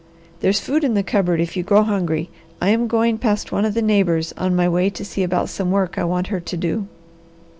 There's food in the cupboard if you grow hungry. I am going past one of the neighbours on my way to see about some work I want her to do."